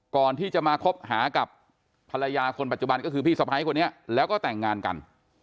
ก่อนที่จะมาคบหากับภรรยาคนปัจจุบันก็คือพี่สะพ้ายคนนี้แล้วก็แต่งงานกัน